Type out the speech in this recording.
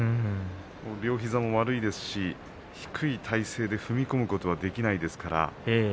両膝も悪いですし低い体勢で踏み込むことができないですから。